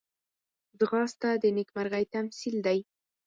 ځغاسته د نېکمرغۍ تمثیل دی